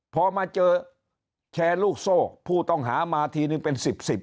พอมาเจอแชร์ลูกโซ่ผู้ต้องหามาทีนึงเป็น๑๐๑๐